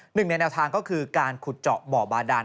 หนึ่งในแนวทางก็คือการขุดเจาะบ่อบาดาน